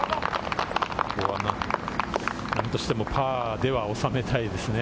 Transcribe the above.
何としてもパーでは収めたいですね。